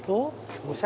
おしゃれ。